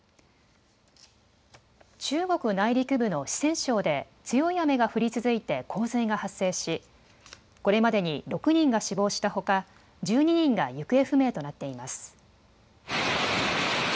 中国内陸部の四川省で強い雨が降り続いて洪水が発生しこれまでに６人が死亡したほか１２人が行方不明となっています。